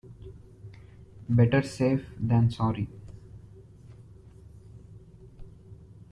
Better safe than sorry.